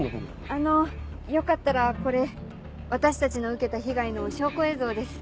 あのよかったらこれ私たちの受けた被害の証拠映像です。